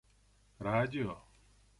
радио